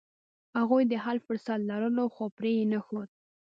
هغوی د حل فرصت لرلو، خو پرې یې نښود.